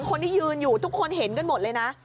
คนที่ยืนอยู่ทุกคนเห็นกันหมดเลยนะ